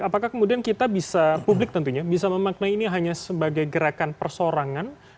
apakah kemudian kita bisa publik tentunya bisa memaknai ini hanya sebagai gerakan persorangan